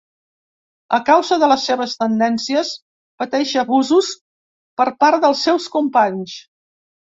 A causa de les seves tendències, pateix abusos per part dels seus companys.